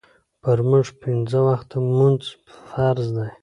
پۀ مونږ پينځۀ وخته مونځ فرض دے